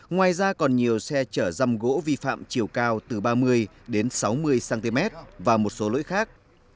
ngoài ra còn nhiều xe chở răm gỗ vi phạm chiều cao từ ba mươi đến sáu mươi cm và một số lỗi khác